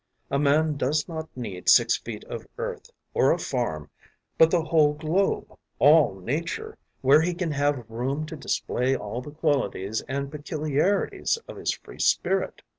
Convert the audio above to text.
A man does not need six feet of earth or a farm, but the whole globe, all nature, where he can have room to display all the qualities and peculiarities of his free spirit.